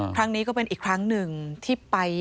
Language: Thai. ครั้งนี้ก็เป็นอีกครั้งหนึ่งที่ไป